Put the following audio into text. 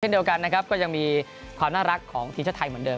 เดียวกันนะครับก็ยังมีความน่ารักของทีมชาติไทยเหมือนเดิ